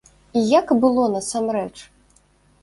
І як было насамрэч?